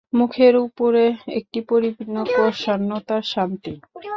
মুখের উপরে একটি পরিপূর্ণ প্রসন্নতার শান্তি।